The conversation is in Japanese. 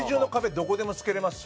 どこでも、付けれますし。